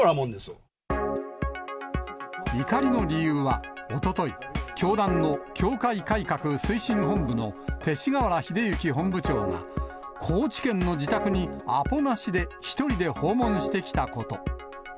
怒りの理由は、おととい、教団の教会改革推進本部の勅使河原秀行本部長が、高知県の自宅にアポなしで１人で訪問してきたこと。